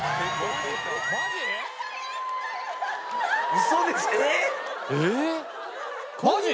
ウソでしょ？えっ！？